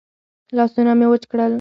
لاسونه مې وچ کړل.